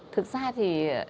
thực ra thì